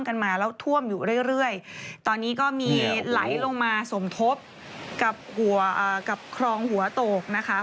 มาแล้วท่วมอยู่เรื่อยเรื่อยตอนนี้ก็มีไหลลงมาสมทบกับหัวกับคลองหัวโตกนะคะ